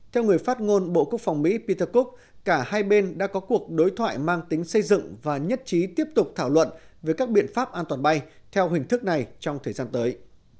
theo người phát ngôn bộ quốc phòng mỹ peter cooc cả hai bên đã có cuộc đối thoại mang tính xây dựng và nhất trí tiếp tục thảo luận về các biện pháp an toàn bay theo hình thức này trong thời gian tới